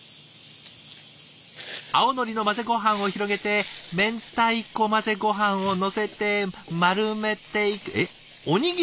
青のりの混ぜごはんを広げて明太子混ぜごはんをのせて丸めて。